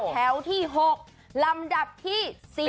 แถวที่๖ลำดับที่๔